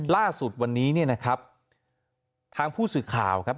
ล่าสุดวันนี้เนี่ยนะครับทางผู้สื่อข่าวครับ